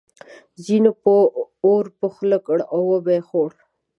ځینو به اور په خوله کړ او وبه یې خوړ.